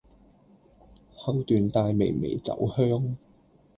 後段帶微微酒香